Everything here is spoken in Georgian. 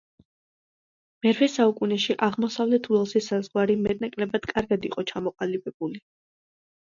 მერვე საუკუნეში აღმოსავლეთ უელსის საზღვარი მეტ-ნაკლებად კარგად იყო ჩამოყალიბებული.